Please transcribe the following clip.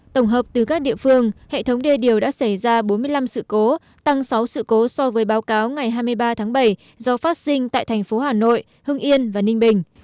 tổng hợp từ các địa phương hệ thống đê điều đã xảy ra bốn mươi năm sự cố tăng sáu sự cố so với báo cáo ngày hai mươi ba tháng bảy do phát sinh tại thành phố hà nội hưng yên và ninh bình